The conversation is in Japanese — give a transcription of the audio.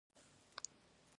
男女間の情事、交接のたとえ。